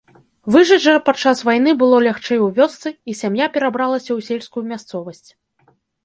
Выжыць жа падчас вайны было лягчэй у вёсцы, і сям'я перабралася ў сельскую мясцовасць.